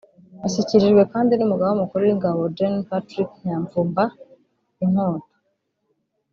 Ashyikirijwe kandi n’umugaba mukuru w’ingabo Gen Patrick Nyamvumba Inkota